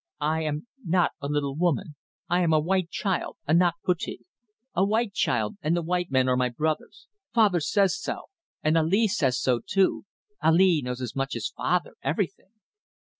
"I am not a little woman. I am a white child. Anak Putih. A white child; and the white men are my brothers. Father says so. And Ali says so too. Ali knows as much as father. Everything."